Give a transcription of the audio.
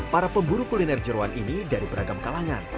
para pemburu kuliner jeruan ini dari beragam kalangan